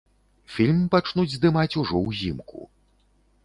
Фільм пачнуць здымаць ужо ўзімку.